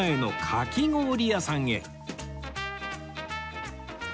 かき氷屋さん。